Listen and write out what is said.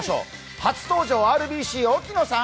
初登場、ＲＢＣ・沖野さん。